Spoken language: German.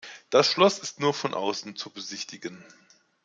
Das Schloss ist nur von außen zu besichtigen.